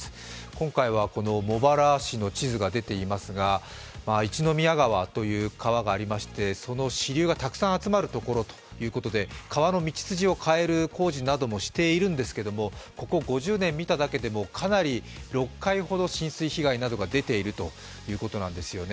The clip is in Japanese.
今回は茂原市の地図が出ていますが、一宮川という川がありまして、その支流がたくさん集まるところということで、川の道筋を変える工事などもしているんですけれどもここ５０年を見ただけでもかなり６回ほど浸水被害が出ているということなんですね。